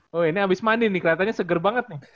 woy ini abis mandi nih keliatannya seger banget nih